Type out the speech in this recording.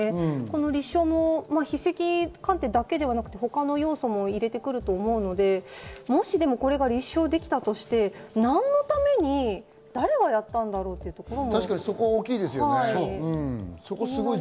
立証も筆跡鑑定だけではなくて他の要素も入れてくると思うので、もし立証できたとして、何のために誰がやったんだろうというところも。